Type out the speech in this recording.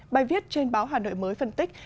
bài viết trên báo hà nội mới phân tích